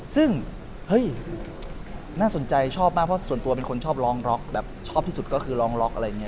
ซึ่งเฮ้ยน่าสนใจชอบมากเพราะส่วนตัวเป็นคนชอบร้องร็อกแบบชอบที่สุดก็คือร้องล็อกอะไรอย่างนี้